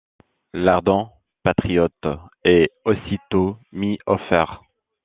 L'ardent patriote est aussitôt mis aux fers.